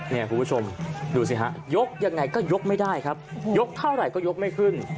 คุณผู้ชมดูสิฮะยกยังไงก็ยกไม่ได้ครับยกเท่าไหร่ก็ยกไม่ขึ้น